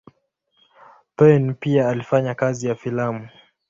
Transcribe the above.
Payn pia alifanya kazi ya filamu.